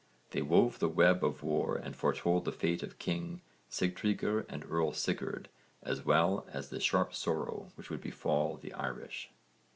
They wove the web of war and foretold the fate of king Sigtryggr and Earl Sigurd as well as the sharp sorrow which would befall the Irish.